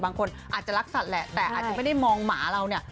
บางคนอาจจะรักสัตว์แหละแต่อาจจะไม่ได้มองหมาเราเนี่ย